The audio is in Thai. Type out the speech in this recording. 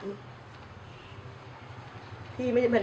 แล้วบอกว่าไม่รู้นะ